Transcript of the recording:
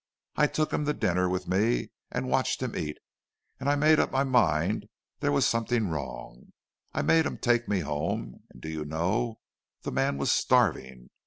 I took him to dinner with me and watched him eat, and I made up my mind there was something wrong. I made him take me home, and do you know, the man was starving!